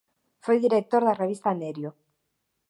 Foi director da revista "Nerio".